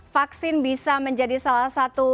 vaksin bisa menjadi salah satu